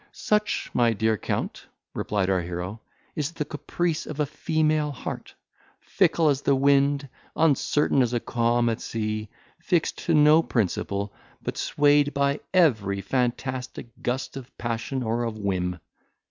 "Such, my dear Count," replied our hero, "is the caprice of a female heart, fickle as the wind, uncertain as a calm at sea, fixed to no principle, but swayed by every fantastic gust of passion, or of whim.